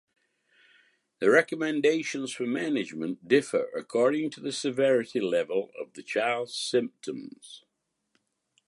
The recommendations for management differ according to the severity level of the child's symptoms.